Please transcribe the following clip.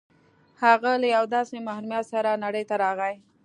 هغه له یوه داسې محرومیت سره نړۍ ته راغی